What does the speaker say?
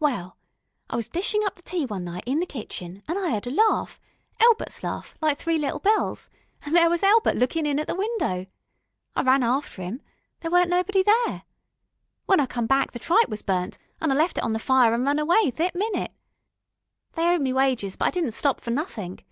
Well, I was dishin' up the tea one night in the kitchen, an' I 'eard a laugh Elbert's laugh, like three little bells an' there was Elbert lookin' in at the window. I run after 'im there wasn't nobody there. When I come back the tripe was burnt an' I lef' it on the fire an' run away, thet minute. They owed me wages, but I didn't stop for nothink.